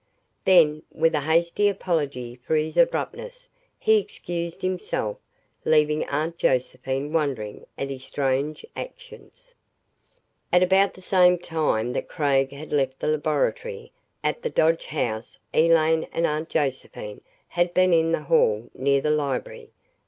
Then, with a hasty apology for his abruptness, he excused himself, leaving Aunt Josephine wondering at his strange actions. At about the same time that Craig had left the laboratory, at the Dodge house Elaine and Aunt Josephine had been in the hall near the library.